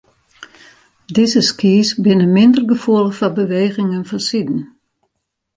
Dizze skys binne minder gefoelich foar bewegingen fansiden.